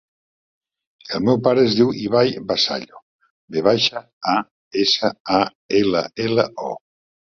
El meu pare es diu Ibai Vasallo: ve baixa, a, essa, a, ela, ela, o.